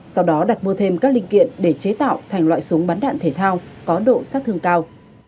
sau đó đặt mua thêm các linh kiện để chế tạo thành loại súng bắn đạn thể thao có độ sát thương cao